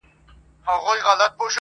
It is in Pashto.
• پت د خپل کهاله یې په صدف کي دی ساتلی -